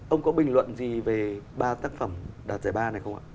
ông có bình luận gì về ba tác phẩm đạt giải ba này không ạ